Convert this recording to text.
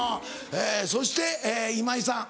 えそして今井さん。